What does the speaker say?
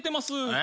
え？